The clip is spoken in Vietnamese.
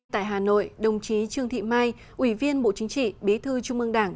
tại hà nội đồng chí trương thị mai ủy viên bộ chính trị bí thư trung ương đảng